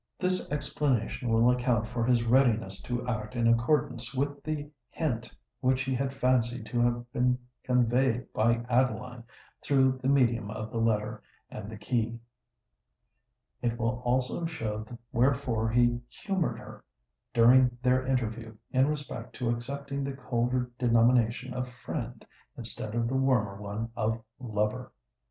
This explanation will account for his readiness to act in accordance with the hint which he had fancied to have been conveyed by Adeline through the medium of the letter and the key: it will also show wherefore he humoured her, during their interview, in respect to accepting the colder denomination of friend, instead of the warmer one of lover.